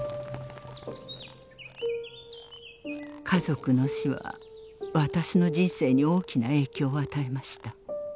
家族の死は私の人生に大きな影響を与えました。